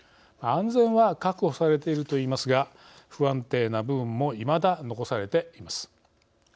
安全は確保されているといいますが不安定な部分もいまだ残されています。